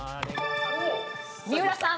三浦さん。